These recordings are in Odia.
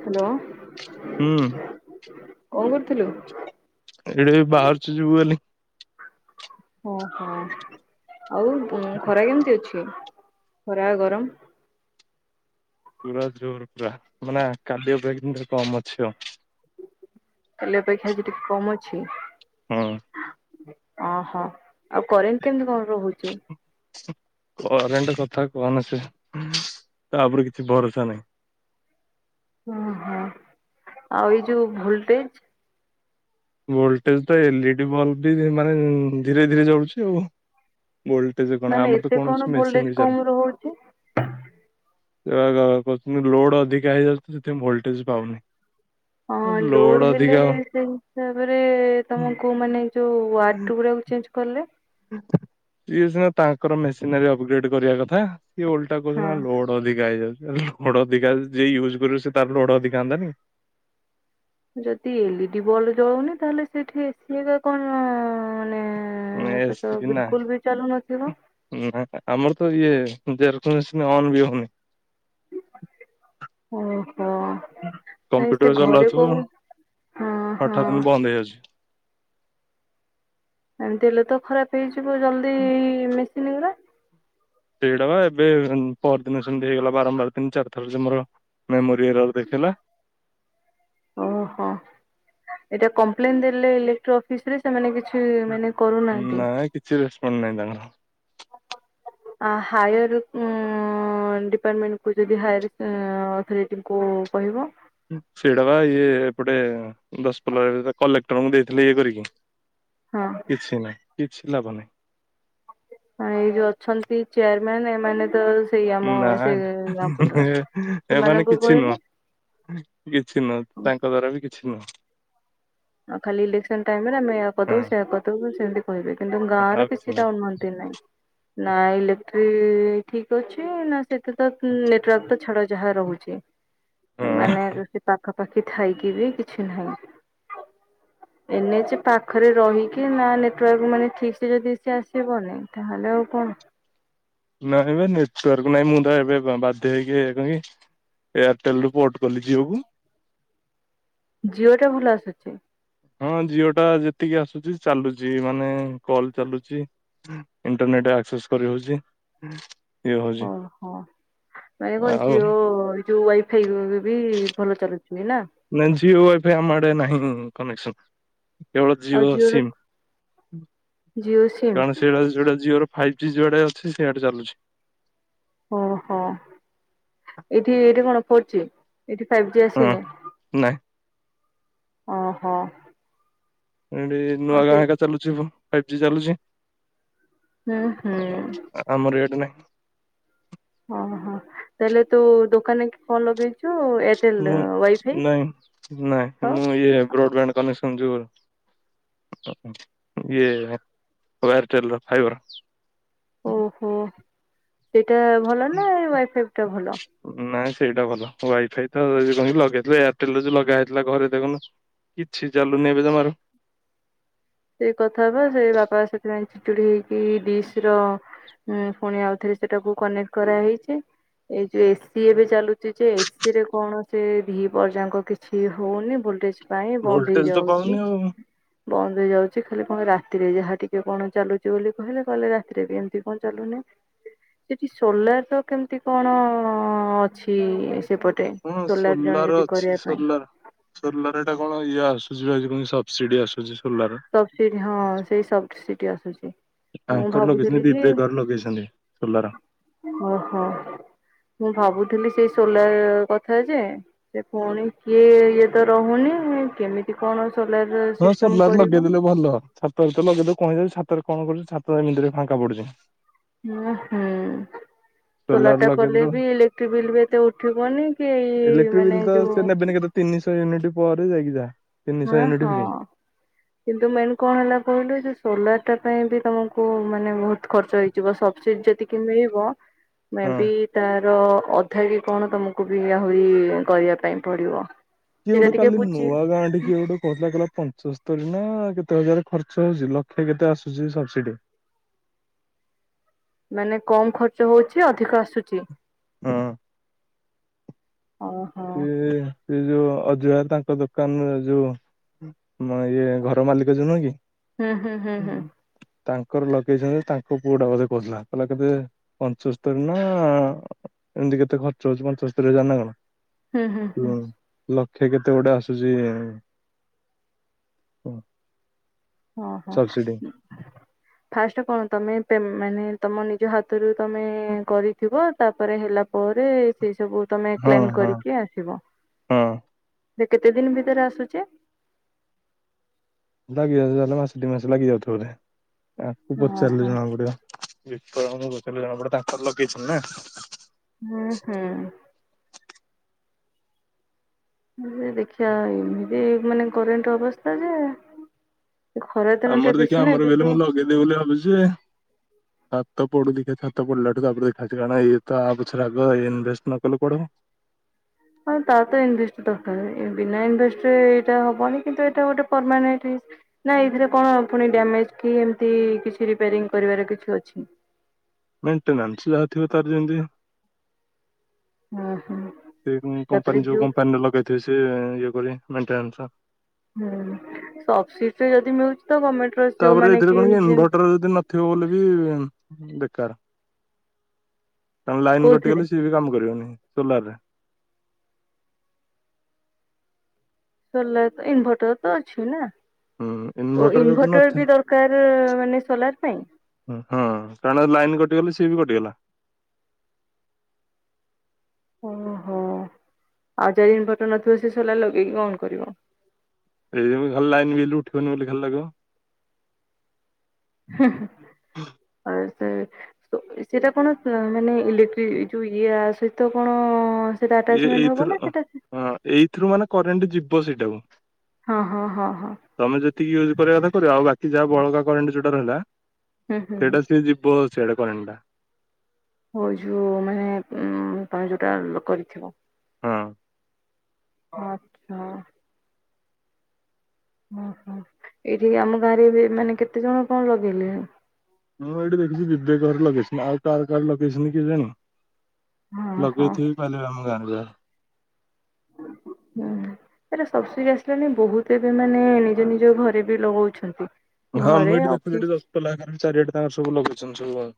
ହ୍ୟାଲୋ ହୁଁ କଣ କରୁଥିଲୁ। ଏଇଡେ ବାହହାରଚ ଯିବୁଲି। ଓହୋ ଆଉ ଖରା କେମିତି ଅଛି। ଖରା ଗରମ ପୁରା ଜୋର ପୁରା ମାନେ କାଲିମ କମ ଅଛି ଆଉ ତାଲେ ଅପେକ୍ଷା ଆଜି ଟିକେ କମ ଅଛି ହଁ ଓହୋ ଆଉ କରେଣ୍ଟ କେମିତି କଣ ରହୁଛି। କରେଣ୍ଟ କଥା କହନ ସେ ତାପରେ କିଛି ଭରସା ନାହିଁ। ହୁଁ ହୁଁ ଆଉ ଏଇ ଯୋଉ ଭୋଲଟେଜ। ଭୋଲଟେଜ ତ ଏଲଇଡି ବଲ୍ବ ବି ମାନେ ଧୀରେ ଧୀରେ ଜଳୁଛି ଆଉ। ଭୋଲଟେଜ କଣ ମାନେ ଆମର ତ ଏତେ କୌଣସି କଣ ମେସିନ ଭୋଲଟେଜ ବି କମ ର ହଉଛି। ସେ ଲୋଡ଼ ଅଧିକ ହେ ଯ ସେେ ଭୋଲଟେଜ ପାଉନ। ହଁ ଲୋଡ ହେଲେ ସେଇ ହିସାବରେ ତମକୁ ମାନେ। ଯୋଉ ୱାର୍ ଗୁଡାକୁ ଚେଞ୍ଜ କଲେ। ସଏ ସିନା ତାଙ୍କର ମେସିନାରୀ ଅପଗ୍ରେଡ କରିବା କଥା। କି ଓଲଟା କୁ ହଁ ନା ଲୋଡ ଅଧିକ ହେଇଯାଉଛି। ଲୋଡ ଅଧିକା ଯ ୟୁଜ କରୁ ସେ ତାର ଲୋଡ ଅଧିକା ହନ୍ତାାନ। ଯଦି ଏଲଇଡି ବଲବ ଜଳଉନି ତାହେଲେ ସେଇଠି ଏସି ହେବା କଣ ମାନେ। ନ ସେ ଆସ ତ କି ନା ବିଲକୁଲ ବି ଚାଲୁନଥିବ ନା ଆମର ତ ତ ଦେଖ ଅନନ୍ ବି ହଉନି ହୁଁ କମ୍ପ୍ୟୁଟର ଚଲାଉଥିବ କୋଉ ହଁ ହଁ ଆଠ ଦିନ ବନ୍ଦ ହେଇଯାଉଛି। ଏମତି ହେଲେ ତ ଖରାପ ହେଇଯିବ। ମୁଁ ଜଲଦି ମିସିିନିନା। ସେଇଟା ବା ଏବେ ପର ଦିନ ସେମିତି ହେଇଗଲା ବାରମ୍ବାର ତିନି ଚାରିଥର ଯେମୋର ମେମୋରି ଏରର ଦେଖେଇଲା। ଓହୋ ଏଟା କମ୍ପ୍ଲେନ ଦେଲେ ଇଲେକ୍ଟ୍ରୀ ଅଫିସ ରେ ସେମାନେ କି ନାଇଁ କିଛି ରେସପନ ନାହିଁ ତାଙ୍କର। ଆ ହାୟାର୍ ଡିପାର୍ଟମେଣ୍ଟକୁ ଯଦି ହାୟାର୍ ଅଥରିଟିଙ୍କୁ କହିବ ସେଇଟା ବା ଇଏ ଏପଟେ ଦଶ ପଲ କଲେକ୍ଟରଙ୍କୁ ଦେଇଥିଲେ ଇଏ କରିକି। ହଁ। କିଛି ନାହିଁ। କିଛି ଲାଭ ନାହିଁ ଏଇ ଯୋଉ ଅଛନ୍ତି ଚେୟାରମ୍ୟାନ ଏମାନେ ତ ସେଇ ଆମ ନା ସେ ଗାଁପଟର। ଏ ଏମାନେ ସେମାନଙ୍କୁ କିଛି କହିଲେ ନୁହଁ କିଛି ନୁହଁ ତାଙ୍କ ଦ୍ଵାରା ବି କିଛି ନୁହଁ। ଆଉ ଖାଲି ଇଲେକ୍ସନ ଟାଇମ ରେ ଆମେ ଏଇଆ କରିଦବୁ ହଁ ସେଇଆ କରିଦବୁ ସେମତି କହିବେ କିନ୍ତୁ ଆଉ ଗାଁର କିଛି କିଛିଟା ନୁହଁ ଉନ୍ନତି ନାଇଁ। ନା ଇଲେକ୍ଟ୍ରି ଠିକ୍ ଅଛି ନା ସେଥି ତ ନେଟୱାର୍କ ତ ଛାଡ ଯାହା ରହୁଛି ହଁ। ମାନେ ସେ ପାଖାପାଖି ଥାଇ କି ବି କିଛି ନାହିଁ। ଏନଏଚ୍ ପାଖରେ ରହିକି ନା ନେଟୱାର୍କ ମାନେ ଠିକ୍ ସେ ଯଦି ସେ ଆସିବନି ତାହେଲେ ଆଉ କଣ ନାଇଁ ବେ ନେଟୱାର୍କ ନାଇଁ ମୁଁ ତ ଏବେ ବାଧ୍ୟ ହେଇକି କଲି ଏୟାରଟେଲ ରୁ ପୋର୍ଟ କଲି ଜିଓକୁ ଜିଓ ଟା ଭଲ ଆସୁଛି। ହଁ ଜିଓ ଟା ଯେତିକି ଆସୁଚି ଚାଲୁଚି ମାନେ କଲ୍ ଚାଲୁଛି ଇଣ୍ଟରନେଟ ଆକ୍ସେସ୍ କରିହଉଛି। ଓ ହୋ। [unintelligible] ଆଉ ଯୋଉ ୱାଇଫାଇ ବି ଭଲ ଚାଲୁଛି ନା। ସିଏ ୱାଇଫାଇ ଆମ ଆଡେ ନାହିଁ କନେକ୍ସନ୍। କେବଳ ଆଉ ଜିଓ ଜିଓର ସିମ୍ ଜିଓ ସିମ୍ କାରଣ ସେଇଟା ସେଇଟା ଜିଓର ଫାଇଭ୍ ଜି ଯୁଆଡେ ଅଛି ସିଆଡେ ଚାଲୁଛି। ଓ ହୋ ଏଠି ଏଇଠି କଣ ଫୋର୍ ଜି? ଏଠି ଫାଇଭ ଜି ହଁ ଆସୁନି। ନାଇଁ। ଓ ହୋ। ଏଇଠି ନୂଆ ଗାଁ ହେରିକା ଚାଲୁଛିି ବ ଫାଇଭ୍ ଜି ଚାଲୁଛି। ହୁଁ ହୁଁ। ଆମର [inaudible] ଓ ହୋ ତାହଲେ ତୁ ଦୋକାନରେ କଣ ଲଗେଇ ମୁଁ ନାଇଁ ନାଇଁ ହଁ ମୁଁ ଇଏ ବ୍ରଡବ୍ୟାଣ୍ଡ କନେ ଯୋଉ ଏୟା ଏୟାରଟେଲ ର ଫାଇବର। ଓ ହୋ ଏଟା ଭଲ ନା ଏ ୱାଇଫାଇ ଟା ଭଲ ନାଇଁ ସେଇଟା ଭଲ ୱାଇଫାଇ ତ କଣ କହିଲୁ ଲଗିଆ ହେଇଥିଲା ଏୟାରଟେଲ ଯୋଉ ଲଗା ହେଇଥିଲା ଘରେ ଦେଖୁନୁ କିଛି ଚାଲୁନି ଏବେ ଜମାରୁ ସେଇ କଥା ବା ସେ ବାପା ସେଥିପାଇଁ ଚିଡିକି ଡିସ୍ ର ପୁଣି ଆଉଥରେ ସେଟାକୁ କନେକ୍ଟ କରାହେଇଛି ଏଇ ଯୋଉ ଏସି ଏବେ ଚାଲୁଛି ଯେ ଏସି ରେ କୌଣସି ଭି ପର୍ଯ୍ୟାଙ୍କ କିଛି ହଉନି ଭୋଲଟେଜ ପାଇଁ ବନ୍ଦ ଭୋଲଟେଜ ତ ହେଇଯାଉଛି ପାଉନି ଆଉ ବନ୍ଦ ହେଇଯାଉ ଖାଲି କଣ ରାତିରେ ଯାହା ଟିକେ କଣ ଚାଲୁଛି ବୋଲି କହିଲେ କହିଲେ ରାତିରେ ବି ଏମିତି କଣ ଚାଲୁନି ସେଠି ସୋଲାର ର କେମିତି କଣ ଅ ଅଛି? ସେପଟେ? ହଁ ଜଣେ ସୋଲାର ଯଦି ଅଛି କରିବା ପାଇଁ ସୋଲାର ସୋଲାର ଏଇଟା କଣ ଇଏ ଆସୁ ଆ ପାଇଁ ସବସିଡି ଆସୁଛି ସୋଲାର ସବ ସି ହଁ ସେଇ ସବ ଉୁଟି ଆସୁଛି ମୁଁ ତାଙ୍କର ଲଗେଇଛନ୍ତି ଭାବୁଥିଲି ବି ବିବେକ ଘର ଲଗେଇଛନ୍ତି ସୋଲାର ଓହୋ ମୁଁ ଭାବୁଥିଲ ଥିଲି ସେଇ ସୋଲାର କଥା ଯେ ସେ ପୁଣି କିଏ ଇଏ ତ ରହୁନି କେମିତି କଣ ସୋଲାର ର ସିଷ୍ଟମ୍ ଲଗେଇଦଲେ ଭଲ ଛାତରେ ଲଗେଇଦବ କ କହି ଯାଉଛି ସାତରେ କଣ କରୁଛି ସାତ ମିରେ ଫାଙ୍କା ପଡୁଛି ହଁ ହୁଁ ସୋଲାର ଚୋଲାର ଟା କଲେ ଲଗେଇଦେଲୁ ବି ଇଲେକ୍ଟ୍ରିକ ବିଲ୍ ବି ଏତେ ଉଠିବନି କି ଏଇ ଇଲେକ୍ଟ୍ରିକ ମାନେ ବିଲ୍ ତ ଯୋଉ ସେ ନେବେନି କେତେ ତିନିଶହ ୟୁନିଟ୍ ପରେ ଯାଇକିଛା ହଁ ହଁ କିନ୍ତୁ ମେନ୍ କଣ ହେଲା କହିଲୁ ଯେ ସୋଲାର ଟା ପାଇଁ ବି ତମକୁ ମାନେ ବହୁତ ଖର୍ଚ୍ଚ ହେଇଯିବ ସବସିଡି ଯେତିକି ମିଳିବ ହଁ ମେବି ତାର ଅଧା କି କଣ ତମକୁ ବି ଆହୁରି କରିବା ପାଇଁ ପଡିବ ସେଇଟା କିଏଗୋଟେ ଟିକେ କାଲି ବୁଝି ନୂଆ ଗାଡି ଗୋଟେ କହୁଥିଲା କହିଲ ପଞ୍ଚସ୍ତରୀ ନା କେତେ ହଜାର ଖର୍ଚ୍ଚ ହଉଛି ଲକ୍ଷେ କେତେ ଆସୁଛି ସବସିଡି ମାନେ କମ ଖର୍ଚ୍ଚ ହଉଛି ଅଧିକ ଆସୁଛି ହଁ ଓହୋ ସେ ଯୋଉ ଅଜୁଆ ତାଙ୍କ ଦୋକାନ ଯୋଉ ଇଏ ଘର ମାଲିକ ଜଉ ନୁହେଁକି ହୁଁ ହମ୍ଁ ହୁଁ ହଁ ତାଙ୍କର ଲଗେଇଛନ୍ତି ତାଙ୍କ ପୁଅଟା ବୋଧେ କହୁଥିଲା କହିଲା କେେ ପଞ୍ଚସ୍ତରୀ ନା ଏମତି କେତେ ଖର୍ଚ୍ଚ ହଉଛି ପଞ୍ଚସ୍ତରୀ ହଜାର ନା କଣ ହୁଁ ହୁଁ ହୁଁ ଲକ୍ଷେ କେତେ ଗୁଟେ ଆସୁଛି ହ ଓ ହୋ ଫାଷ୍ଟ କଣ ତମେ ମାନେ ତମ ନିଜ ହାତରୁ ତମେ କରିଥିବ ତାପରେ ହେଲା ପରେ ସେ ସବୁ ତମେ ହଁ କ୍ଲେମ ହଁ କରିକି ଆସିବ। ହଁ। ସେ କେତେ ଦିନ ଭିତରେ ଆସୁଛେ? ଲାଗିଯାଉ ତାଲେ ମାସ ଡି ମାସ ଲାଗିଯାଉ ବୋଧେ? ଆକୁ ପଚାରିଲି ଓହୋ। ଜଣା ପଡିବ। [inaudible] ଜଣପଡେ ତାଙ୍କର ଲଗେଇଛନ୍ତି ନା ହୁଁ ହୁଁ ଦେଖିବା ଏମିତି ମାନେ କରେଣ୍ଟ ଅବସ୍ଥା ଯେ ଖରା ଦିନ ଟା ଆମର ବେଶୀ ଦେଖିବା ନା ଆମର ଏବେ ବଲେ ଯୋଉ ମୁଁ ଲଗେଇଦେବ ବୋଲି ଭାବୁଛି। ଛାତ ପଡୁ ଦେଖି ଛାତ ପଡିଲାଠୁ ତାପରେ ଦେଖାଛି କାରଣ ଇଏ ତ ଆ ପଛରେ ଆଗ ଇନଭେଷ୍ଟ ନ କଲେ କୁଆଡୁ ହେବ ହଁ ତାର ତ ଇନଭେଷ୍ଟ ଦରକାର ବିନା ଇନଭେଷ୍ଟ ରେ ଏଟା ହବନି କିନ୍ତୁ ଏଟା ଗୋଟେ ପରମାନେଟ ନା ଏଥିରେ କଣ ଡ୍ୟାମେଜ କି ଏମତି କି କିଛି ରିପାରିଙ୍ଗ କରିବାର କିଛି ଅଛି? ମେଣ୍ଟେନାନ୍ସ ଯାହା ଥିବ ତାର ଯେମିତି ହୁଁ ହୁଁ ସେ ତାପରେ କମ୍ପାନୀ ଯଉ ଯୋଉ କମ୍ପାନୀରେ ଲଗେଇଥିବେ ସେ ମେଣ୍ଟେନସ ହୁଁ ସବ ସିଟ ରେ ଯଦି ମିଳୁଛି। ତ ଗମେଣ୍ଟ ର ତାପରେ ଯୋଉମାନେ ଏଥିରେ କଣ କି ଇନଭର୍ଟର ଯଦି ନଥିବ ବୋଲି ବି ବେକାର କଣ ଲାଇନ୍ କୋଉଥିରେ କଟିଗଲେ ସିଏ ବି କାମ କରିବନି ସୋଲାର ସ ଇନଭର୍ଟର ତ ଅଛି ନା ହୁଁ ଓ ଇନଭର୍ଟର ଯଦି ଇନଭଟର ନଥିବ ବି ଦରକାର ମାନେ ସୋଲାର ପାଇଁ ହଁ କାରଣ ଲାଇନ କଟିଗଲା ସି ବି କଟିଗଲା? ଓହୋ ଆଉ ଯାରିିନ ଘଟ ନଥିବ ସେ ସିଲା ଲଗେଇକି କଣ କରିବ। ଏଇ ଭଲ ଲାଗନ ବିଲ ଉଠିବନି ବୋଲି ଖାଲି ଲଗେଇବ। ହଁ ହଁ ହୁଁ [inaudible] ସେଇଟା କଣ ମାନେ ଇଲେକ୍ଟ୍ରି ଯୋଉ ଇଏ ସହିତ କଣ ସେଟା ଏଇ ଆଟାଚମେଣ୍ଟ ହବ ଏଇଥିରୁ ନା ସେଟା ହଁ ଏଇଥିରୁ ମାନେ କରେଣ୍ଟ ଯିବ ସେଇଟାକୁ ହଁ ହଁ ହଁ ହଁ ତମେ ଯେତିକି ୟୁଜ କରିବା କଥା କର ଆଉ ବାକି ଯାହା ବଳକା କରେଣ୍ଟେ ଯ ର ହେଲା ହୁଁ ହୁଁ ହୁଁ ସେଇଟା ସି ଯିବ ସେଟା କରେଣ୍ଟ ଟା ହଉ ଯୋଉ ମାନେ ଉ ତମେ ଯୋଉଟା କରିଥିବ ହଁ ଆଚ୍ଛା ଓହୋ ଏଇଠିକି ଆମ ଗାଁରେ ମାନେ କେତେ ଜଣ କଣ ଲଗେଇଲେଣି ମୁଁ ଏଇଠି ଦେଖିଛି ବିବେକ ଘର ଲଗେଇଛନ୍ତିି ଆଉ କାର କାର ଲଗେଇଛନ୍ତି କେଜାଣି ହଁ ହଁ ଲଗେଇଥିବ ପାରିବେ ଆମ ଗାଁରେ ଯ ହୁଁ ଏରେ ସବସ ଆସିଲାଣି ବହୁତ ଏବେ ମାନେ ନିଜ ନିଜ ଘରେ ବି ଲଗଉଛନ୍ତି। ହଁ ମୁଁ ଘରେ ଏଠିଦେଖୁଥିଲି ଅଫିସ ଦଶପଲ୍ଲା ହେରିକାରେ ଚାରିଆଡୋଙ୍କ ସବୁ ଲଗେଇଛି। ଯୋଉଁ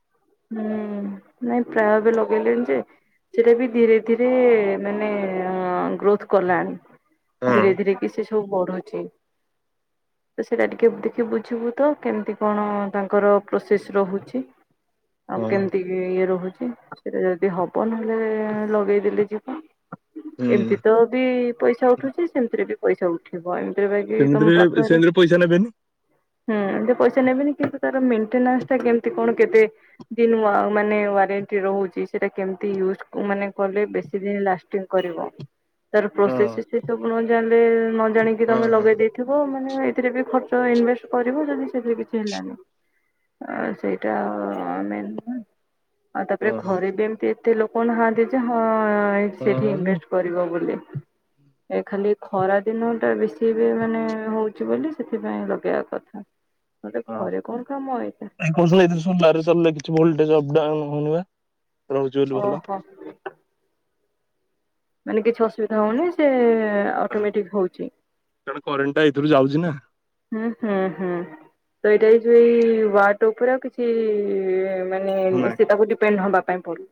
ହୁଁ ନାଇଁ ପ୍ରାୟବେ ଲଗେଇଲେଣି ଯେ ସେଟା ବି ଧୀରେ ଧୀରେ ମାନେ ଗ୍ରୋଥ କଲାଣି ଧୀରେ ହଁ ଧୀରେ କି ସେ ସୁ ବଢୁଛି ତ ସେଇଟା ଟିକେ ଦେଖି ବୁଝିବୁ ତ କେମତି କଣ ତାଙ୍କର ପ୍ରୋସେସ ରହୁଛି ଆଉ କେମିତି ଇଏ ରହୁଛି ସେଇଟା ଯଦି ହବ ନହେଲେ ଲଗେଇଦେଲେ ଯିବା। ହୁଁ ଏମିତି ତ ବି ପଇସା ଉଠୁଛି ସେମିତିରେ ବି। ପଇସା ଉଠିବ ଆମ ଫେରିବାକି ତମ ସେମିତିରେ ପାଖରେ ସେମିତିରେ ପଇସା ନେବେନି ହୁଁ ପଇସା ସେ ନେବେନି କିନ୍ତୁ ତ ମେଣ୍ଟେନାନ୍ସ ଟା କେମତି କଣ କେତେ ଦିନ ମାନେ ୱାରେଣ୍ଟି ରହୁଛି ସେଟା କେମିତି ୟୁଜ ମାନେ କରବେ ବେଶୀ ଦିନ ଲାଷ୍ଟିଂ କରିବ। ତାର ହଁ ପ୍ରୋସେସ ସେ ସବୁ ନ ଜାଣିଲେ ନ ଜାଣିକି ହଁ ତମେ ହଁ ଲଗେଇ ଦେଇଥିବ ମାନେ ସେଥିରେ ବି ଖର୍ଚ୍ଚ ଇନଭେଷ୍ଟ କରିବ ଯଦି ସେଥିରେ କିଛି ହେଲା ତ ସେଇଟା ଆମେ ଆଉ ତାପରେ ଘରେ ବି ଏମତି ଏତେ ଲୋକ ନାହାଁନ୍ତି ଯେ ହଁ। ହଁ ସେଇଠି ହଁ ଇନଭେଷ୍ଟ କରିବ ବୋଲି। ଏ ଖାଲି ଖରା ଦିନ ଟା ବେଶୀ ବି ମାନେ ହଉଛି ବୋଲି ସେଥିପାଇଁ ଲଗେଇବା କଥା। ନହେଲେ ହଁ ଘରେ କଣ କାମ ଏଇଟା। ନାଇଁ କହୁଥିଲି ଏତେ ସମୟ ଦାରୁ ସେ ଲାଗିଛ ଭଲ ଆଜି ଅପଡାଉନ ହଉନି ବା। ରହୁଛି ବୋଲି ଭଲ ଓହୋ। ମାନେ କିଛି ଅସୁବିଧା ହଉନି ସେ ଅଟୋମେଟିକ ହଉଛି। ଭିତରୁ ଯାଉଛି ନା। ହୁଁ ହୁଁ ହୁଁ ତ ଏଇଟା ଏ ଯୋଉ ଏଇ ୱାଟ ଉପରେ ଆଉ କିଛି ମାନେ ସିଏ ତାକୁ ଡିପେଣ୍ଡ ହବାକୁ ପାଇଁ ପଡ଼ିଲୁ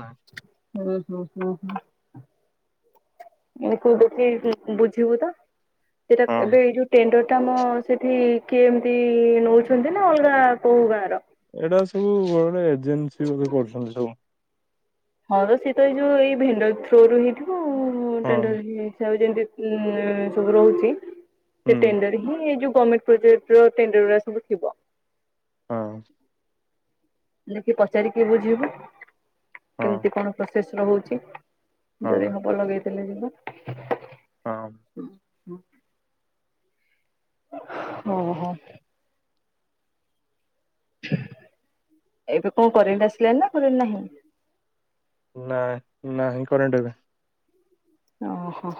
ନାଇଁ ହୁଁ ହୁଁ ହୁଁ ହୁଁ। ଏହାକୁ ଦେଖିକି ବୁଝିବୁ ତ। ସେଇଟା ହଁ ଏବେ ଏଇ ଯୋଉ ଟେଣ୍ଡର ତମ ସେଠି କିଏ ଏମିତି ନଉଛନ୍ତି ନା ଅଲଗା କୋଉ ଗାଁ ର ଏଇଟା ସବୁ ବେଳେ ଏଜେନ୍ସି ମାନେ କରୁଛନ୍ତି ସବୁ। ହଁ ତ ସିଏ ତ ଏଇ ଯୋଉ ଏଇ ଭେଣ୍ଡର ଥ୍ରୁରୁ ହେଇଥିବ ଆଉ ହଁ ଟେଣ୍ଡର ବି ଇଚ୍ଛା ହଉଚି ଯେମିତି ଉଁ ସବୁ ରହୁଛି ହୁଁ ସେ ଟେଣ୍ଡର ହିଁ ଏଇ ଯୋଉ ସମିଟ ପ୍ରୋଜେକ୍ଟ ର ଟେଣ୍ଡର ଗୁଡ଼ା ସବୁ ଥିବ। ହଁ। ଦେଖି ପଚାରିକି ବୁଝିବୁ। ହଁ କେମିତି କଣ ପ୍ର ଶେଷ ହଉଛି। ହଁ ଯଦି ହବ ଲଗେଇ ଚାଲେ ଯିବା ହଁ ହଁ ଓ ହୋ ଏବେ କଣ କରେଣ୍ଟ ଆସିଲଣିି ନା କରେଣ୍ଟ ନାହିଁ ନା ନାହିଁ କରେଣ୍ଟ ଏବେ। ଓହୋ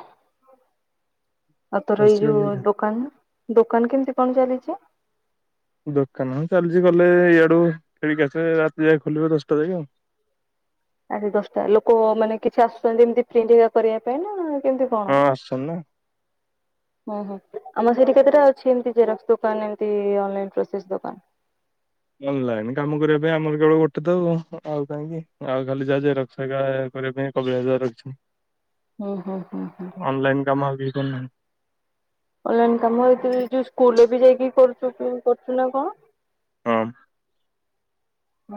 ଆଉ ତୋର ଏଇ ଯଉ ଆସିବନି ଦୋକାନରୁ ଦୋକାନ କେମିତି କଣ ଚାଲିଛି ଦୋକାନ ହଁ ଚାଲିଛି ଗଲେ ଏଇଆଡୁ ଖେଳିକି ଆସିବେ ରାତି ଯାଏ ଖୋଲିବେ ଦଶଟା ଯାଏ ଆଉ। ଆଜି ଦଶଟା ଲୋକ ମାନେ କିଛି ଆସୁଛନ୍ତି ଏମିତି ପ୍ରିଣ୍ଟ୍ କରିବା ପାଇଁ ନା କେମିତି କଣ? ହଁ ଆସଚନ୍ତି ନା ହୁଁ ହୁଁ ଆମ ସେଠି କେତେଟା ଅଛି ଏମତି ଜେରକ୍ସ ଦୋକାନ ଏମତି ଅନନାଇଲ ପ୍ରୋସେସ୍ ଦୋକାନ ଅନଲାଇନ କାମ କରିବା ପାଇଁ ଆମର କେବଳ ଗୋଟେ ତ ଆଉ କାଇଁକି ଆଉ ଖାଲି ଯାହା ଯାଏ ଜେରକ୍ସ ହରିକା କରିବା ପାଇଁ କପିଳା ଭାଉଜ ଘର ଅଛି। ହୁଁ ହୁଁ ହୁଁ ହୁଁ ଶନ ଅନଲାଇ କାମ ହେଇ ଯଉ ସ୍କୁଲ ବି ଯାଇକି କରୁ କରୁଛୁ ନା କଣ ହଁ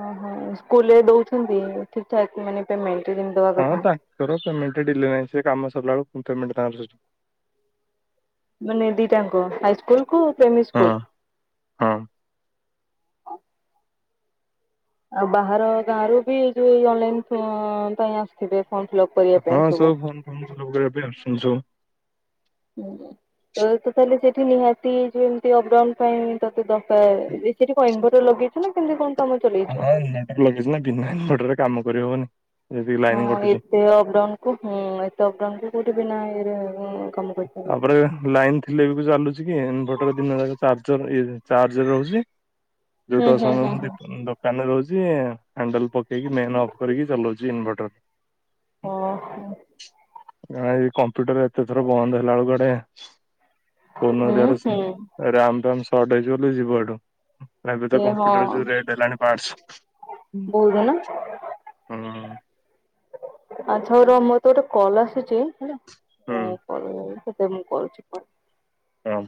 ଓ ହ ସ୍କୁଲରେ ଦଉଛନ୍ତି ଠିକ ଠାକ ମାନେ ପେମେଣ୍ଟ ଯେମିତି ଦବା ହଁ କଥା। ତାଙ୍କର ପେମେଣ୍ଟ ଡିଲେ ନାହିଁ ସେ କାମ ସିଲାବେଳକୁ ପେମେଣ୍ଟ ତା ମାନେ ଦିଟାଙ୍କ ହାଇସ୍କୁଲ। ପ୍ରେମି ହଁ। ସ୍କୁଲ ହଁ ଆଉ ବାହାର ଗାଁ ର ବି ଯୋଉ ଅନଲାଇନ ପାଇଁ ଆସିଥିବେ ଫର୍ମ ଫିଲପ କରିବା ହଁ ପାଇଁ ସବୁ ଫୋନ ଫନ ଫିଲପ କରିବା ପାଇଁ ଆସୁଛନ୍ତି ସବୁ। ହୁଁ ତ ତାହେଲେ ସେଠି ନିହାତି ଯୋଉ ଏମିତି ଅପ୍ ଡାଉନ୍ ପାଇଁ ତତେ ଡକା ସେଠି କଣ ଇନଭୋଟର ଲଗେଇଚୁ ନା କେମତି କଣ କାମ ଚଲେଇଛୁ? ହଁ ଇନଭୋଟର ଲଗେଇଚୁ ନା ବିନା ଇନଭୋଟରରେ। କାମ କରି ହବନି। ହଁ ଏତେ ଅପଡାଉନ କୁ ହୁଁ ଏତେ ଅପଡାଉନ କୁ। କଉଟି ବିନା ଇଏ ରେ। ତାପରେ ଲାଇନ ଥିଲେ ବି ଚାଲୁଛି କି ଇନଭର୍ଟର ଦିନ ଯା ଚାର୍ଜର ଇଏ ଚାର୍ଜ ରହୁଛି। ହୁଁ ଯୋଉଦ ହୁଁ ସମୟ ହୁଁ ହୁଁ ମୁ ଦୋକାନରେ ରହୁଛି। ହ୍ୟାଣ୍ଡଲ ପକେଇକି ମେନ୍ ଅଫ୍ କରିକି ଚଲଉଛି ଇନଭୋଟର। ଓ ହ ହଁଇ କମ୍ପ୍ୟୁଟର ଏତ ତ ପ ବନ୍ଦ ହେଲା ବେଳୁ କଆଡେ କନ ହୁଁ ଦଡ ହୁଁ ରାମ ରାମ ସଟ ଯିବ ଏଠୁ ଏବେ ତ ଏ କମ୍ପ୍ୟୁଟର ଯୋଉ ରେଟ୍ ହେଲାଣି ପାଠଶ ବହୁଦ ନା ଆଚଛୋର ମର ତ ଗୋଟେ କଲ ଆସୁଛି। ହୁଁ ହଁ କ ମୁଁ କରୁଛି କଣ ହଁ